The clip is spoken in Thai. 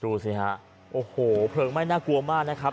ดูสิฮะโอ้โหเพลิงไหม้น่ากลัวมากนะครับ